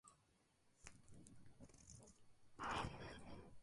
Gonzales es miembro más joven de I.am.me.